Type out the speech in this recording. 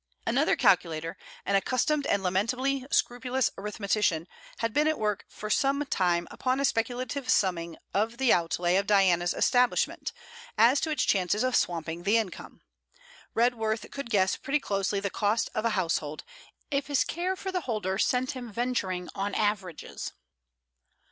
Another calculator, an accustomed and lamentably scrupulous arithmetician, had been at work for some time upon a speculative summing of the outlay of Diana's establishment, as to its chances of swamping the income. Redworth could guess pretty closely the cost of a house hold, if his care for the holder set him venturing on aver ages.